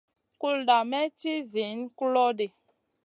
Kulda may ci ziyn kulo ɗi.